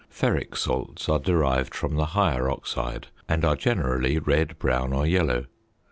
Ferric salts are derived from the higher oxide, and are generally red, brown, or yellow.